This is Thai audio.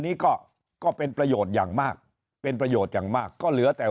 นี้ก็ก็เป็นประโยชน์อย่างมากเป็นประโยชน์อย่างมากก็เหลือแต่